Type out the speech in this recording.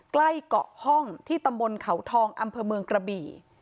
ใกล้เกาะห้องที่ตำบลเขาทองอำเภอเมืองกระบี่